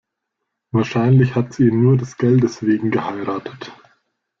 Wahrscheinlich hat sie ihn nur des Geldes wegen geheiratet.